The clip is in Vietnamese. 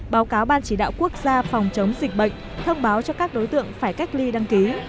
báo cáo ban chỉ đạo quốc gia phòng chống dịch bệnh thông báo cho các đối tượng phải cách ly đăng ký